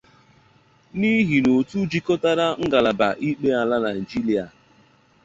n'ihi na òtù jikọtara ngalaba ikpe ala Nigeria